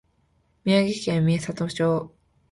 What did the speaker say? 宮城県美里町